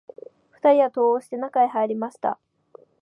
二人は戸を押して、中へ入りました